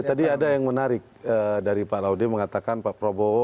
tadi ada yang menarik dari pak laude mengatakan pak prabowo